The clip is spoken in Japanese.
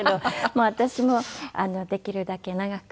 まあ私もできるだけ長く。